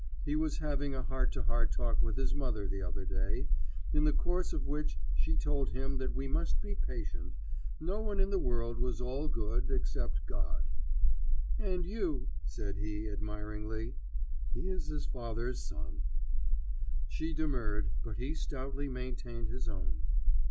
He was having a heart to heart talk with his mother the other day, in the course of which she told him that we must be patient; no one in the world was all good except God. [Illustration: The Cross of Dannebrog.] "And you," said he, admiringly. He is his father's son. She demurred, but he stoutly maintained his own.